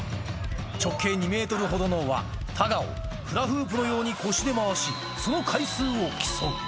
直径２メートルほどの輪、タガを、フラフープのように腰で回し、その回数を競う。